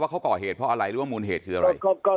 เขาก่อเหตุเพราะอะไรหรือว่ามูลเหตุคืออะไร